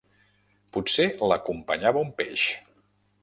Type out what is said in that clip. Potser l'acompanyava un peix.